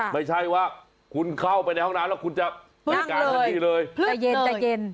ไม่ใช่ว่าคุณเข้าไปในห้องน้ำแล้วคุณจะกระดับปึ๊บเพื่อกอมอัณห์ทันทีเลย